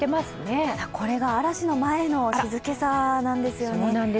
ただ、これが嵐の前の静けさなんですよね。